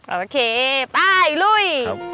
โอเคไปลุย